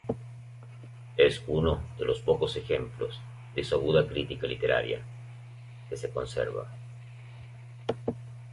Es uno de los pocos ejemplos de su aguda crítica literaria que se conserva.